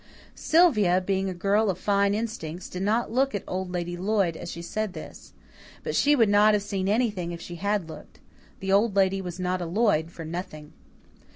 Sylvia, being a girl of fine instincts, did not look at Old Lady Lloyd as she said this. But she would not have seen anything if she had looked. The Old Lady was not a Lloyd for nothing.